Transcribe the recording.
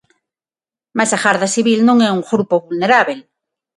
Mais a Garda Civil non é un grupo vulnerábel.